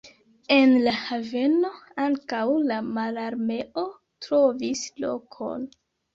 En la haveno ankaŭ la Mararmeo trovis lokon.